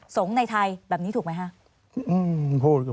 สงในไทยแบบนี้ถูกไหมครับ